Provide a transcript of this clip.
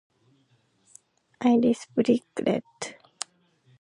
Iris brick red.